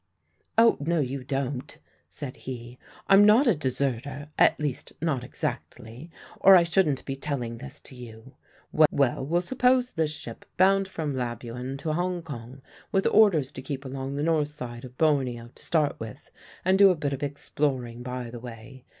"Oh no, you don't," said he. "I'm not a deserter at least not exactly or I shouldn't be telling this to you. Well, we'll suppose this ship bound from Labuan to Hong Kong with orders to keep along the north side of Borneo, to start with, and do a bit of exploring by the way.